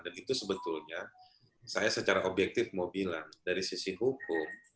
dan itu sebetulnya saya secara objektif mau bilang dari sisi hukum